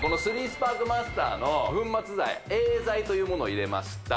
３スパークマスターの粉末剤Ａ剤というものを入れました